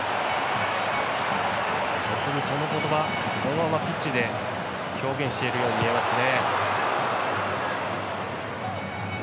本当に、その言葉そのままピッチで表現しているように見えますね。